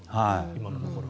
今のところ。